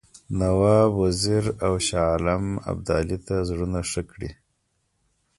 نواب وزیر او شاه عالم ابدالي ته زړونه ښه کړي.